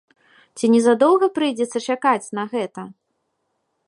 Ці не задоўга прыйдзецца чакаць на гэта?